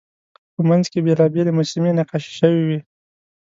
په منځ کې یې بېلابېلې مجسمې نقاشي شوې وې.